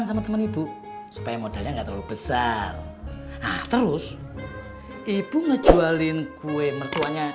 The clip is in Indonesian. sampai jumpa di video selanjutnya